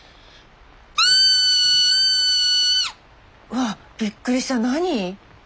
わあびっくりした何？